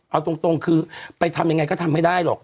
เอาตรงคือไปทำยังไงก็ทำไม่ได้หรอก